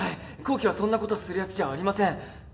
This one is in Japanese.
紘希はそんなことするやつじゃありません。